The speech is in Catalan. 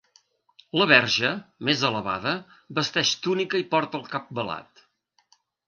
La verge, més elevada, vesteix túnica i porta el cap velat.